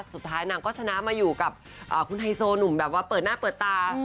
นางก็ชนะมาอยู่กับคุณไฮโซหนุ่มแบบว่าเปิดหน้าเปิดตา